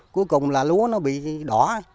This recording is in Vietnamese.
cuối cùng là lúa nó bị đỏ